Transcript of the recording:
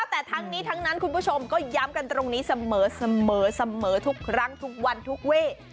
แต่ทั้งนี้ทั้งนั้นคุณผู้ชมก็ย้ำกันตรงนี้เสมอทุกครั้งทุกวันทุกเว่